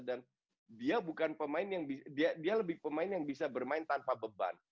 dia lebih pemain yang bisa bermain tanpa beban